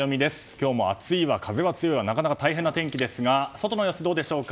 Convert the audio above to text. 今日も暑いわ、風が強いわなかなか大変な天気ですが外の様子どうでしょうか。